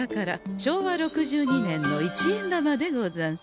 昭和６２年の一円玉でござんす。